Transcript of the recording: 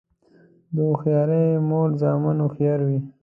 د هوښیارې مور زامن هوښیار وي.